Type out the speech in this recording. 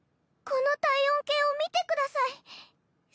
この体温計を見てください。